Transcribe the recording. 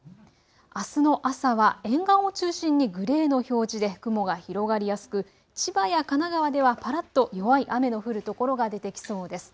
あすの朝は沿岸を中心にグレーの表示で雲が広がりやすく千葉や神奈川ではぱらっと弱い雨の降る所が出てきそうです。